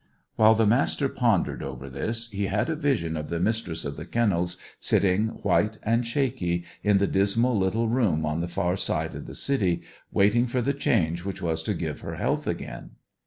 While the Master pondered over this, he had a vision of the Mistress of the Kennels, sitting, white and shaky, in the dismal little room on the far side of the city, waiting for the change which was to give her health again.